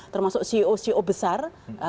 termasuk ceo ceo besar